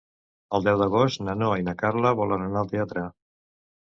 El deu d'agost na Noa i na Carla volen anar al teatre.